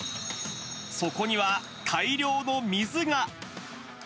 そこには大量の水が。